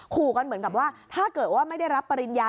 ขู่กันเหมือนกับว่าถ้าเกิดว่าไม่ได้รับปริญญา